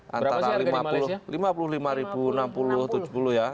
berapa sih harga di malaysia